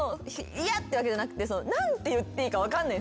嫌ってわけじゃなくて何て言っていいか分かんない。